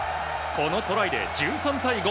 このトライで１３対５。